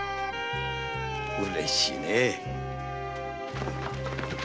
うれしいねぇ。